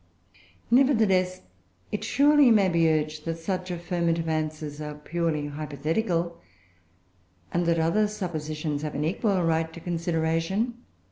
Nevertheless it surely may be urged that such affirmative answers are purely hypothetical, and that other suppositions have an equal right to consideration.